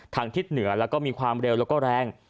ทิศเหนือแล้วก็มีความเร็วแล้วก็แรง